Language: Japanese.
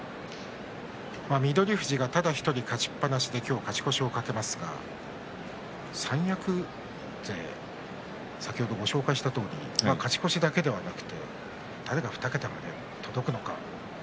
翠富士が、ただ１人勝ちっぱなしで今日、勝ち越しを懸けますが三役勢、先ほどご紹介したとおり勝ち越しだけではなく誰が２桁に届くのか。